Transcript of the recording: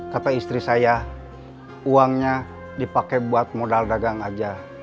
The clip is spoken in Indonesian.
kata istri saya uangnya dipakai buat modal dagang aja